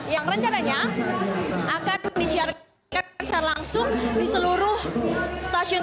yang rencananya akan disiarkan secara langsung di seluruh stasiun